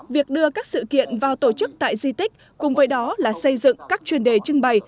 việc đưa các sự kiện vào tổ chức tại di tích cùng với đó là xây dựng các chuyên đề trưng bày